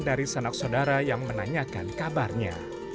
dari sanak saudara yang menanyakan kabarnya